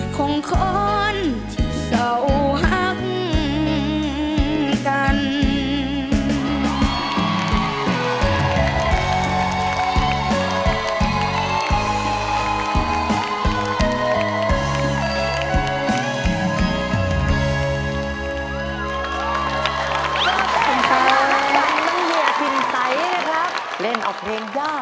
ของคนที่เศร้าฮักกัน